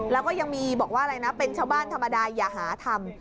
แล้วก็ยังมีบอกว่าอะไรนะเป็นชาวบ้านธรรมดาอย่าหาทำ